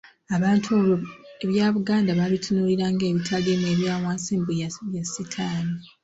Abantu olwo ebya Buganda babitunuulira ng’ebitaliimu, ebya wansi, mbu bya Sitaani